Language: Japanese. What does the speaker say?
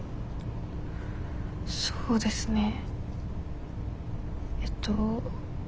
そうですねえっと。